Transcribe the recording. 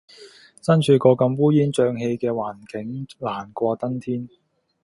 身處個咁烏煙瘴氣嘅環境，難過登天